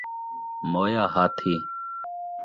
مویا ہاتھی